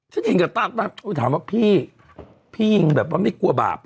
ฉันเองก็ตาธรรมว่าถามว่าพี่พี่ยิงแบบว่าไม่กลัวบาบหรอ